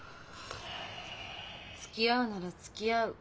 「つきあうならつきあう。